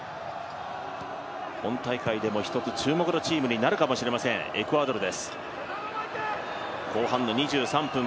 本大会でも注目のチームになるかもしれません、エクアドル。